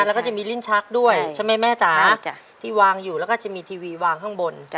แล้วก็จะมีลิ้นชักด้วยใช่ไหมแม่จ๋าที่วางอยู่แล้วก็จะมีทีวีวางข้างบน